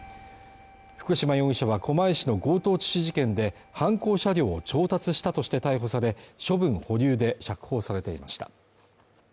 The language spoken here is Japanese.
福島容疑者は狛江市の強盗致死事件で、犯行車両を調達したとして逮捕され、処分保留で釈放されていました。